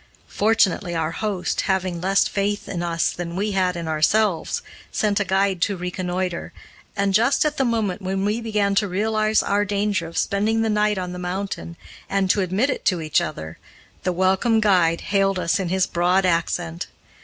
Fortunately our host, having less faith in us than we had in ourselves, sent a guide to reconnoiter, and, just at the moment when we began to realize our danger of spending the night on the mountain, and to admit it to each other, the welcome guide hailed us in his broad accent.